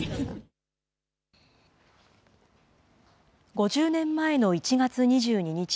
５０年前の１月２２日。